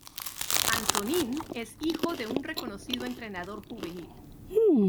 Antonín es hijo de un reconocido entrenador juvenil.